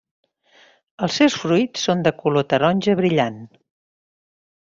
Els seus fruits són de color taronja brillant.